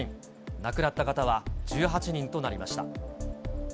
亡くなった方は１８人となりました。